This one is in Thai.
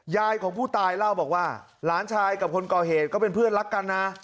ยายของผู้ตายเล่าบอกว่าหลานชายกับคนก่อเหตุก็เป็นเพื่อนรักกันนะ